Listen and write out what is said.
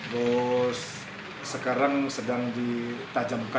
terus sekarang sedang ditajamkan